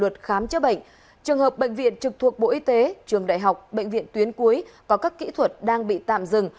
trường hợp bệnh viện trực thuộc bộ y tế trường đại học bệnh viện tuyến cuối có các kỹ thuật đang bị tạm dừng